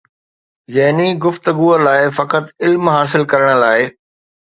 يعني گفتگوءَ لاءِ فقط علم حاصل ڪرڻ لاءِ